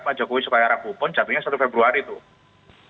pak jokowi supaya rabu pun jatuhnya satu februari tuh